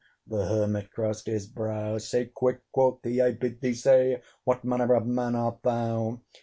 The Hermit crossed his brow. "Say quick," quoth he, "I bid thee say What manner of man art thou?"